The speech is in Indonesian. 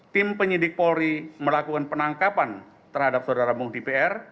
tim penyidik polri melakukan penangkapan terhadap saudaramu dpr